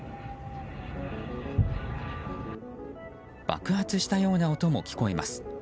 爆発したような音も聞こえます。